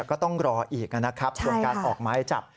ก็ต้องรออีกนะครับส่วนการออกไม้จับ